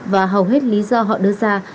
và hầu hết lý do họ đưa ra